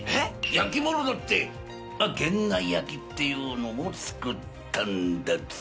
焼き物だって源内焼っていうのも作ったんだぜ。